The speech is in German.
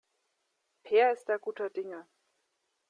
Peer ist da guter Dinge.